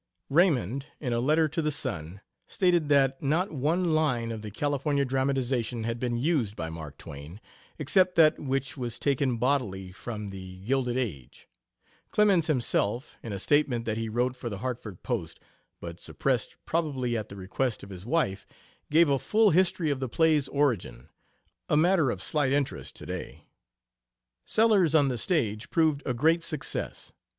Raymond, in a letter to the Sun, stated that not "one line" of the California dramatization had been used by Mark Twain, "except that which was taken bodily from The Gilded Age." Clemens himself, in a statement that he wrote for the Hartford Post, but suppressed, probably at the request of his wife, gave a full history of the play's origin, a matter of slight interest to day. Sellers on the stage proved a great success.